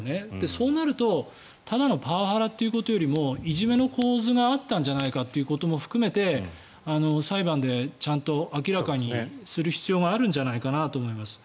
そうなるとただのパワハラということよりもいじめの構図があったんじゃないかということも含めて裁判でちゃんと明らかにする必要があるんじゃないかと思います。